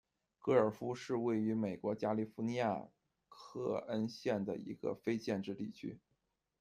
格尔夫是位于美国加利福尼亚州克恩县的一个非建制地区。